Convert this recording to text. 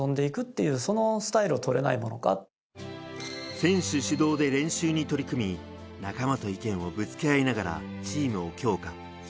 選手主導で練習に取り組み、仲間と意見をぶつけ合いながらチームを強化。